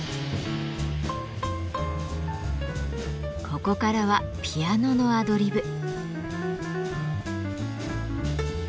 ここからはピアノのアドリブ。